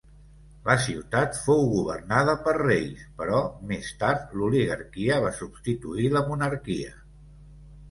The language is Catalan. La ciutat fou governada per reis, però més tard l'oligarquia va substituir la monarquia.